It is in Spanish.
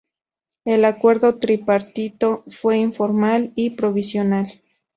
El Acuerdo Tripartito fue informal y provisional.